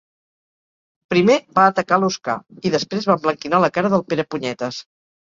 Primer va atacar l'Oskar i després va emblanquinar la cara del Perepunyetes.